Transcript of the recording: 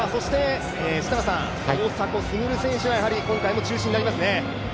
やはり、大迫傑選手は今回も中心になりますね。